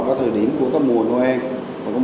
có thời điểm của mùa noel